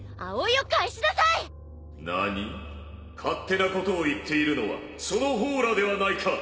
勝手なことを言っているのはその方らではないか！